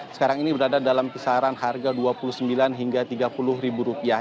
sekarang ini berada dalam kisaran harga rp dua puluh sembilan hingga tiga puluh ribu rupiah